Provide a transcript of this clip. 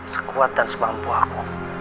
sekuat dan sepampu aku